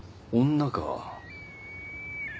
女か。